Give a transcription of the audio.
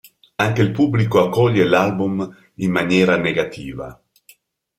Anche il pubblico accoglie l'album in maniera negativa.